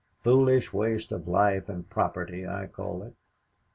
Foolish waste of life and property I call it."